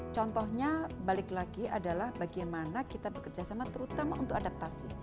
contohnya balik lagi adalah bagaimana kita bekerja sama terutama untuk adaptasi